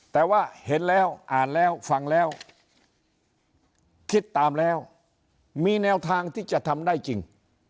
แต่ว่าเห็นแล้วอ่านแล้วฟังแล้วคิดตามแล้วมีแนวทางที่จะทำได้จริง